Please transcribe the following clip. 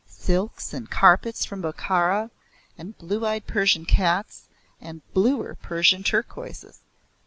Silks and carpets from Bokhara, and blue eyed Persian cats, and bluer Persian turquoises.